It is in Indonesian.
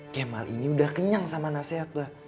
kemal ini udah kenyang sama nasehat bah